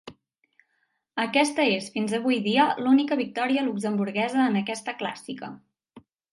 Aquesta és fins avui dia l'única victòria luxemburguesa en aquesta clàssica.